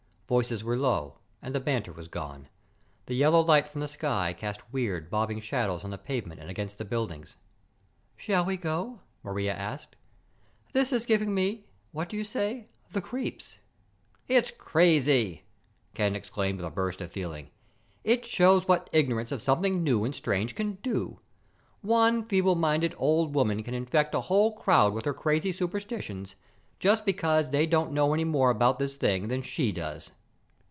Voices were low, and the banter was gone. The yellow light from the sky cast weird, bobbing shadows on the pavement and against the buildings. "Shall we go?" Maria asked. "This is giving me what do you say? the creeps." "It's crazy!" Ken exclaimed with a burst of feeling. "It shows what ignorance of something new and strange can do. One feebleminded, old woman can infect a whole crowd with her crazy superstitions, just because they don't know any more about this thing than she does!"